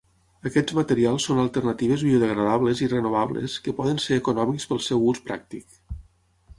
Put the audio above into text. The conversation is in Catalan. Aquests materials són alternatives biodegradables i renovables, que poden ser econòmics pel seu ús pràctic.